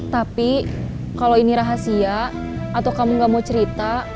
tapi kalau ini rahasia atau kamu gak mau cerita